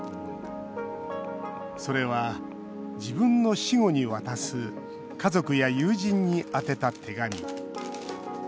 それは自分の死後に渡す家族や友人に宛てた手紙